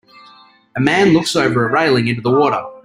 A man looks over a railing into the water.